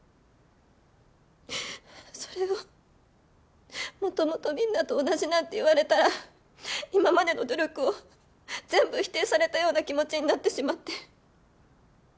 それを「元々みんなと同じ」なんて言われたら今までの努力を全部否定されたような気持ちになってしまって。